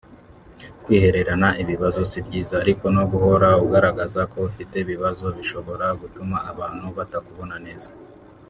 Kwihererana ibibazo si byiza ariko no guhora ugaragaza ko ufite ibibazo bishobora gutuma abantu batakubona neza